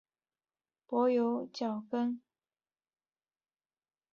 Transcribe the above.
其名称柏油脚跟是对北卡罗来纳州人民的昵称。